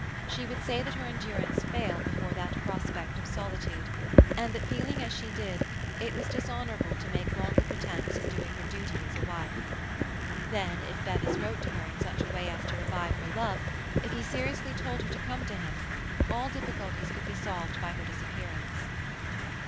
She would say that her endurance failed before that prospect of solitude, and that, feeling as she did, it was dishonourable to make longer pretence of doing her duty as a wife. Then, if Bevis wrote to her in such a way as to revive her love, if he seriously told her to come to him, all difficulties could be solved by her disappearance.